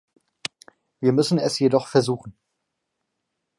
Wir müssen es jedoch versuchen.